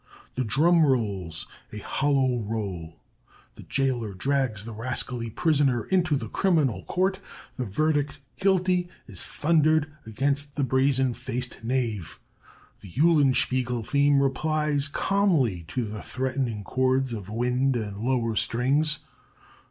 The drum rolls a hollow roll; the jailer drags the rascally prisoner into the criminal court. The verdict 'guilty' is thundered against the brazen faced knave. The 'Eulenspiegel' theme replies calmly to the threatening chords of wind and lower strings.